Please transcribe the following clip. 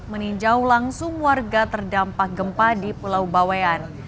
meninjau langsung warga terdampak gempa di pulau bawean